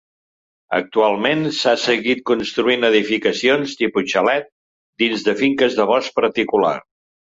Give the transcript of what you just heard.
Actualment s'han seguit construint edificacions, tipus xalet, dins de finques de bosc particular.